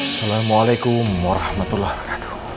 assalamualaikum warahmatullahi wabarakatuh